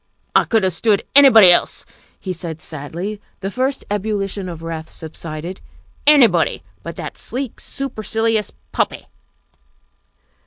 " I could have stood anybody else," he said sadly, the THE SECRETARY OF STATE 281 first ebullition of wrath subsided, " anybody but that sleek, supercilious puppy."